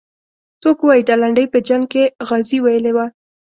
څوک وایي دا لنډۍ په جنګ کې غازي ویلې وه.